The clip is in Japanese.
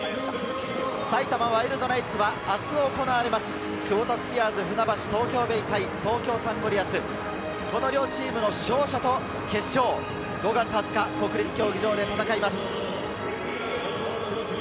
埼玉ワイルドナイツは明日行われます、クボタスピアーズ船橋・東京ベイ対東京サンゴリアス、この両チームの勝者と決勝を５月２０日、国立競技場で戦います。